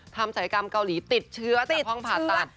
ศัยกรรมเกาหลีติดเชื้อจากห้องผ่าตัด